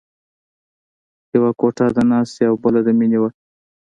یوه کوټه د ناستې او بله د مینې وه